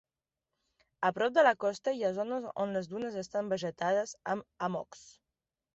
A prop de la costa hi ha zones on les dunes estan vegetades amb hammocks.